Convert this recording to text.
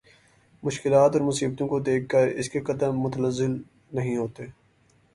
مشکلات اور مصیبتوں کو دیکھ کر اس کے قدم متزلزل نہیں ہوتے